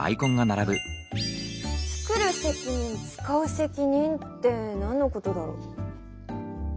「つくる責任つかう責任」って何のことだろ？